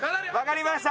わかりました